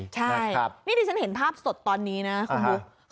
ใช่นี่ที่ฉันเห็นภาพสดตอนนี้นะคุณบุ๊ค